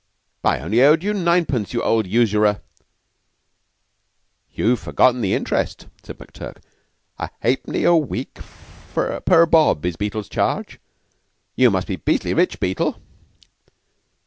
"I only owed you ninepence, you old usurer." "You've forgotten the interest," said McTurk. "A halfpenny a week per bob is Beetle's charge. You must be beastly rich, Beetle."